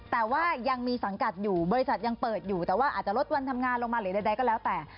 แต่ว่ายังมีสังกัดอยู่บริษัทยังเปิดอยู่แต่ว่าอาจจะลดวันทำงานลงมาหรือใดก็แล้วแต่